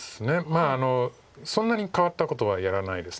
まあそんなに変わったことはやらないです